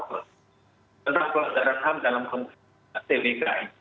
tentang bahwa ada ham dalam komunikasi tbki